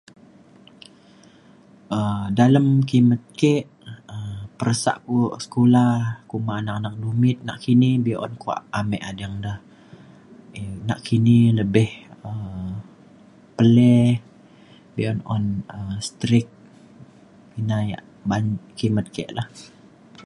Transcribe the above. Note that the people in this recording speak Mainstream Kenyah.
um dalem kimet ke um peresa bu- sekula kuma anak anak dumit nakini be’un kuak ame ading da. i- nakini lebih um peleh be’un un um strict. ina yak ba’an kimet ke lah.